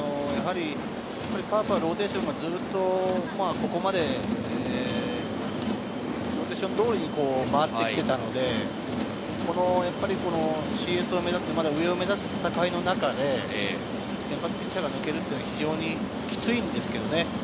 カープはローテーションがずっと、ここまでローテーション通りに回ってきていたので、ＣＳを目指す、上を目指す戦いの中で、先発ピッチャーが抜けるっていうのは非常にキツイんですけどね。